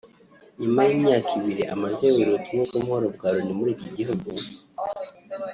nyuma y’imyaka ibiri amaze ayoboye ubutumwa bw’amaharo bwa Loni muri iki gihugu